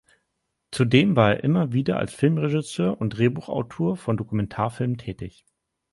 Zudem war er immer wieder als Filmregisseur und Drehbuchautor von Dokumentarfilmen tätig.